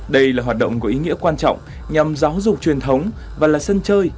đây là hoạt động có ý nghĩa quan trọng nhằm giáo dục truyền thống và là sân chơi